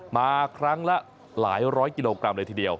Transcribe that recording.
มาครั้งละหลายร้อยกิโลกรัมเลยทีเดียว